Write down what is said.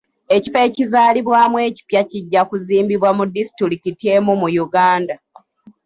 Ekifo ekizaalibwamu ekipya kijja kuzimbibwa mu disitulikiti emu mu Uganda